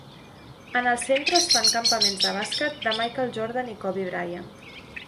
En el centre es fan campaments de bàsquet de Michael Jordan i Kobe Bryant.